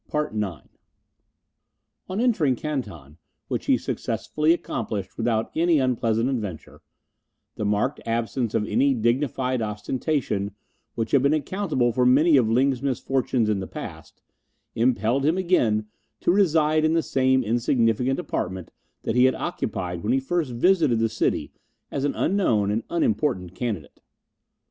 CHAPTER IX On entering Canton, which he successfully accomplished without any unpleasant adventure, the marked absence of any dignified ostentation which had been accountable for many of Ling's misfortunes in the past, impelled him again to reside in the same insignificant apartment that he had occupied when he first visited the city as an unknown and unimportant candidate.